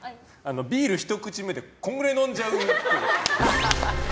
ビールひと口目でこんぐらい飲んじゃう。